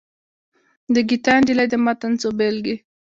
د ګیتا نجلي د متن څو بېلګې.